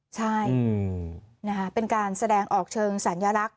ใช่เป็นการแสดงออกเชิงสัญลักษณ